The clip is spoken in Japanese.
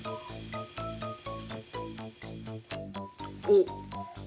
おっ！